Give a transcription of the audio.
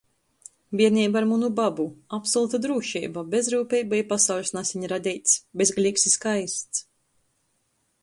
Bierneiba ar munu babu - absoluta drūšeiba, bezryupeiba i pasauļs naseņ radeits, bezgaleigs i skaists.